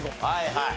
はい。